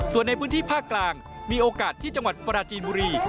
ส่วนในพื้นที่ภาคกลางมีโอกาสที่จังหวัดปราจีนบุรี